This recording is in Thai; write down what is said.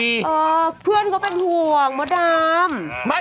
เออเพื่อนก็เป็นห่วงโมดำ